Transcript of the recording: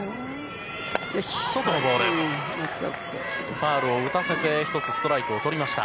ファウルを打たせて１つストライクをとりました。